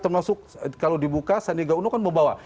termasuk kalau dibuka sandiaga uno kan membawa